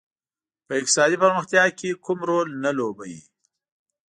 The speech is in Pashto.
په اقتصادي پرمختیا کې کوم رول نه لوبوي.